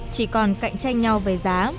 chỉ còn cạnh tranh nhau về giá